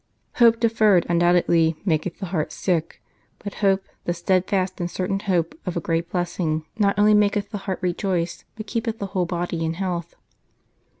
" Hope deferred undoubtedly maketh the heart sick ; but hope, the steadfast and certain hope, of a great blessing, not only maketh the heart rejoice, but keepeth the whole body in health."